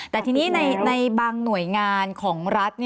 แต่ทีนี้ในบางหน่วยงานของรัฐ